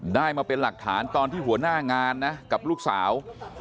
ได้มาเป็นหลักฐานตอนที่หัวหน้างานนะกับลูกสาว